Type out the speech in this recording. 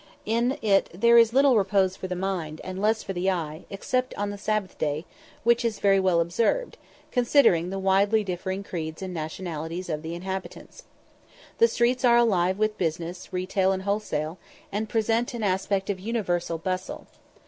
In it there is little repose for the mind, and less for the eye, except on the Sabbath day, which is very well observed, considering the widely differing creeds and nationalities of the inhabitants. The streets are alive with business, retail and wholesale, and present an aspect of universal bustle.